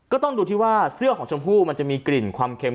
ก็ต้องดูที่ว่าเสื้อของชมพู่มันจะมีกลิ่นความเค็ม